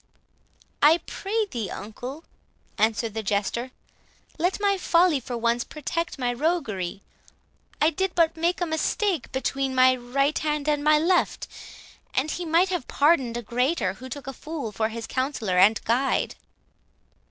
"I pray thee, uncle," answered the Jester, "let my folly, for once, protect my roguery. I did but make a mistake between my right hand and my left; and he might have pardoned a greater, who took a fool for his counsellor and guide."